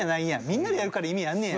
みんなでやるから意味あんねや！